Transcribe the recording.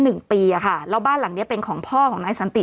หนึ่งปีอ่ะค่ะแล้วบ้านหลังเนี้ยเป็นของพ่อของนายสันติ